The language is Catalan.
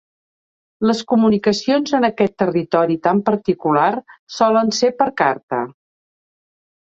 Les comunicacions en aquest territori tan particular solen ser per carta.